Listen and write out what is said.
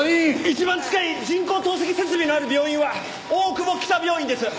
一番近い人工透析設備のある病院は大久保北病院です。